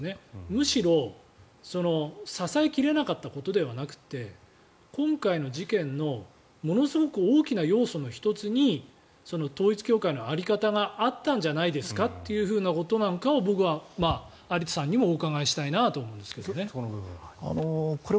むしろ支え切れなかったことではなくて今回の事件のものすごく大きな要素の１つに統一教会の在り方があったんじゃないですかというふうなことなのかを僕は有田さんにもお伺いしたいなと思うんですが。